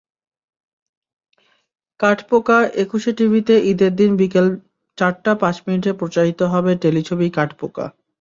কাঠপোকাএকুশে টিভিতে ঈদের দিন বিকেল চারটা পাঁচ মিনিটে প্রচারিত হবে টেলিছবি কাঠপোকা।